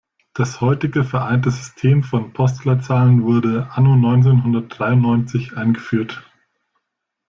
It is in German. Das heutige vereinte System von Postleitzahlen wurde anno neunzehnhundertdreiundneunzig eingeführt.